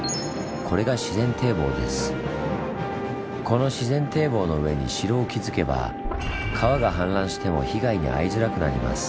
この自然堤防の上に城を築けば川が氾濫しても被害に遭いづらくなります。